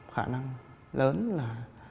khả năng lớn là